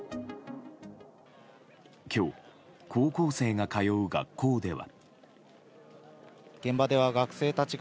今日、高校生が通う学校では。